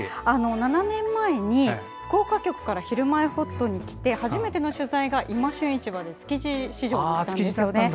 ７年前に福岡局から「ひるまえほっと」に来て初めての取材が「いま旬市場」で築地市場だったんです。